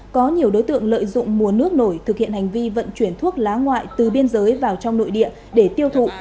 có nhiều đối tượng lợi dụng mùa nước nổi thực hiện hành vi vận chuyển thuốc lá ngoại từ biên giới vào trong nội địa để tiêu thụ